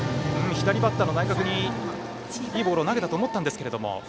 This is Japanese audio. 左バッターの内角にいいボールを投げたと思ったんですけれども。